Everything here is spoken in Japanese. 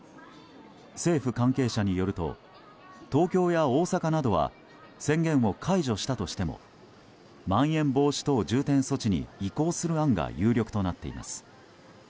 政府関係者によると東京や大阪などは宣言を解除したとしてもまん延防止等重点措置に移行する案が有力となっています。